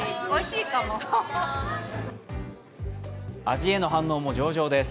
味への反応も上々です。